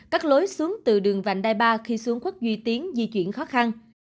các lối xuống từ đường vành đai ba khi xuống quốc duy tiến di chuyển khó khăn